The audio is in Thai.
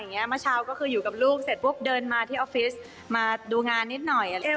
เพราะว่าที่ออกมาเมื่อเช้าเค้าพวกเดินมาดูงานนิดหน่อย